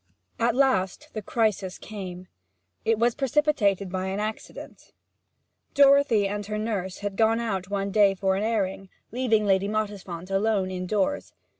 At last the crisis came: it was precipitated by an accident. Dorothy and her nurse had gone out one day for an airing, leaving Lady Mottisfont alone indoors.